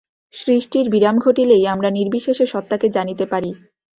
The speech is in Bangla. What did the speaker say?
সৃষ্টির বিরাম ঘটিলেই আমরা নির্বিশেষ সত্তাকে জানিতে পারি।